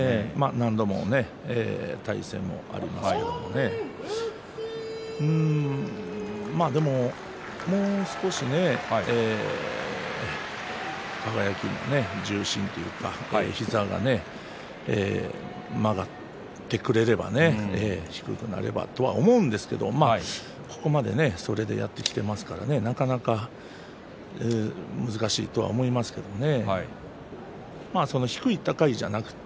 何度か対戦もありますけどももう少し輝も重心というか膝が曲がってくれればね低くなればと思うんですがここまでそれでやってきていますからね、なかなか難しいとは思いますけどね。